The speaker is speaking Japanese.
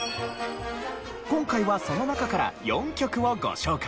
今回はその中から４曲をご紹介。